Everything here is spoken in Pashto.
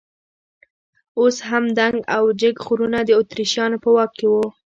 اوس هم دنګ او جګ غرونه د اتریشیانو په واک کې وو.